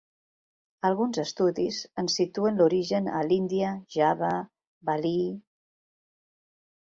Alguns estudis en situen l'origen a l'Índia, Java, Balí...